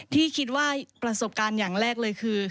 ที่คิดว่าประสบการณ์อย่างแรกเลยคือ